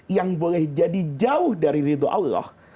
yang boleh jadi jauh dari ridho allah